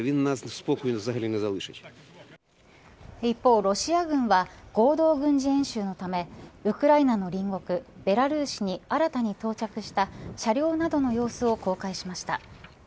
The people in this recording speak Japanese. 一方、ロシア軍は合同軍事演習のためウクライナの隣国ベラルーシに新たに到着した車両などの様子を公開しました。